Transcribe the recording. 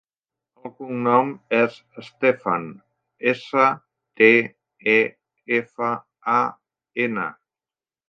El cognom és Stefan: essa, te, e, efa, a, ena.